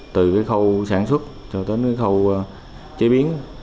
từ cái khâu sản xuất cho đến cái khâu chế biến